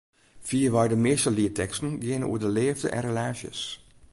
Fierwei de measte lietteksten geane oer de leafde en relaasjes.